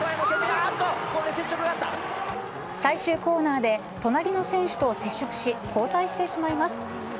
最終コーナーで隣の選手と接触し後退してしまいます。